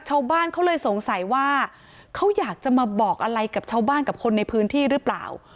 ชาวบ้านเขาเลยสงสัยว่าเขาอยากจะมาบอกอะไรกับชาวบ้านกับคนในพื้นที่หรือเปล่า